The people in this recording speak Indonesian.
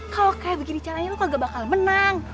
kalau kayak begini caranya lu kok gak bakal menang